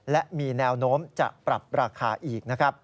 และมีแนวโน้มจะปรับราคาอีกนะครับ